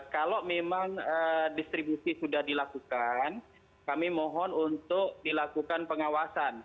kalau memang distribusi sudah dilakukan kami mohon untuk dilakukan pengawasan